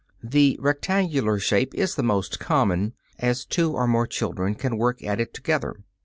The rectangular shape is the most common as two or more children can work at it together.